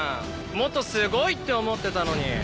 もっとすごいって思ってたのに」